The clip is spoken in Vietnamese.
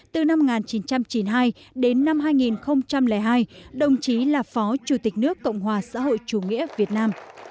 từ năm một nghìn chín trăm chín mươi hai đến năm hai nghìn hai đồng chí là phó chủ tịch nước cộng hòa xã hội chủ nghĩa việt nam